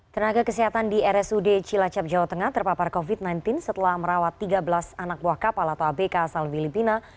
tenaga kesehatan di rsud cilacap jawa tengah terpapar covid sembilan belas setelah merawat tiga belas anak buah kapal atau abk asal filipina